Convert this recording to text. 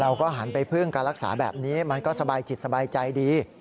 เราก็หันไปพึ่งการรักษาแบบนี้มันก็สบายจิตสบายใจดี